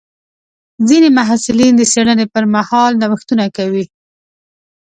ځینې محصلین د څېړنې پر مهال نوښتونه کوي.